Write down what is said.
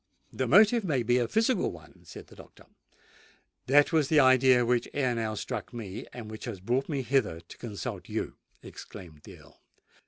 "The motive may be a physical one," said the doctor. "That was the idea which ere now struck me, and which has brought me hither to consult you!" exclaimed the Earl.